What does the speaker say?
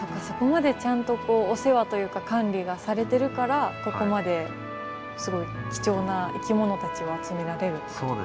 そこまでちゃんとこうお世話というか管理がされてるからここまですごい貴重な生き物たちを集められるってことですね。